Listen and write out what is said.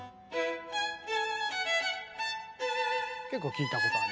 結構聞いたことある。